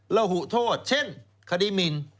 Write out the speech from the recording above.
ระหุโทษเช่นคดีหมิน